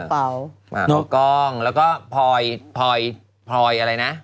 เป๋าก้องแล้วก็พรอยพรอยอะไรนะ